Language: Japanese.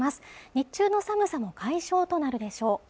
日中の寒さも解消となるでしょう